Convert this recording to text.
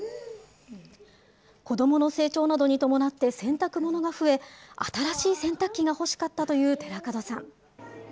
子どもの成長などに伴って洗濯物が増え、新しい洗濯機が欲しかったという寺門さん。